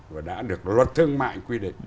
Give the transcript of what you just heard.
và đã được luật thương mại quy định